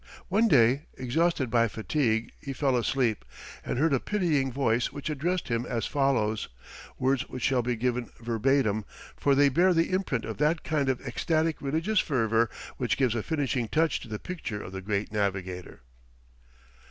One day, exhausted by fatigue, he fell asleep, and heard a pitying voice which addressed him as follows: words which shall be given verbatim, for they bear the imprint of that kind of ecstatic religious fervour which gives a finishing touch to the picture of the great navigator.